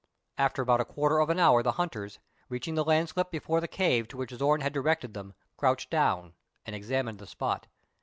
After about a quarter of an hour the hunters, reaching the landslip before the cave to which Zorn had directed them, crouched down and examined the spot.